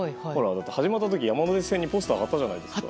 始まったとき山手線にポスター貼ったじゃないですか。